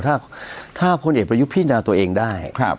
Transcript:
ถ้าพลเอกประยุทธ์พินาตัวเองได้